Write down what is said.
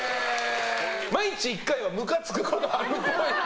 毎日１回はムカつくことあるっぽい。